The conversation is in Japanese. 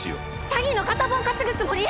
詐欺の片棒担ぐつもり？